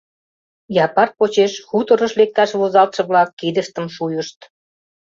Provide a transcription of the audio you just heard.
Япар почеш хуторыш лекташ возалтше-влак кидыштым шуйышт.